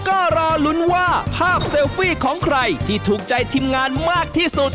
ก็รอลุ้นว่าภาพเซลฟี่ของใครที่ถูกใจทีมงานมากที่สุด